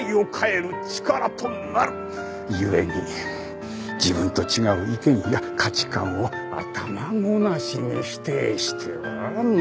故に自分と違う意見や価値観を頭ごなしに否定してはならん。